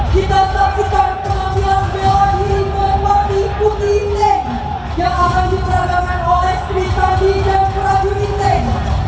kita saksikan kematian bela hirman bagi putih tank yang alami peragaman oleh street tank di dalam peraju di tank